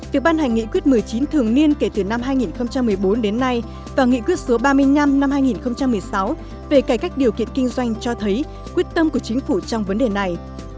việc ban hành nghị quyết một mươi chín thường niên kể từ năm hai nghìn một mươi bốn đến nay và nghị quyết số ba mươi năm năm hai nghìn một mươi sáu về cải cách điều kiện kinh doanh cho thấy quyết tâm của chính phủ trong vấn đề này